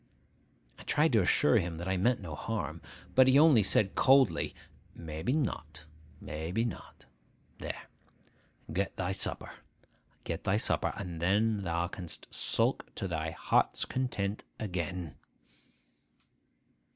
I tried to assure him that I meant no harm; but he only said coldly, 'Maybe not, maybe not! There, get thy supper, get thy supper; and then thou canst sulk to thy heart's content again.